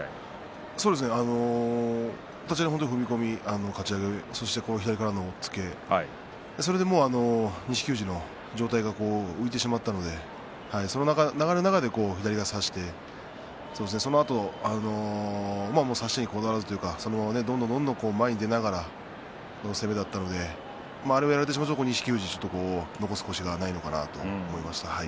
そうですね立ち合いの踏み込みかち上げ、そして左からの押っつけそれでもう錦富士の上体が浮いてしまったのでその流れの中で左を差してそして、そのあと差しにこだわらずどんどんどんどん前に出ながら攻めだったんであれをやられてしまうと錦富士は残す腰がないのかなと思います。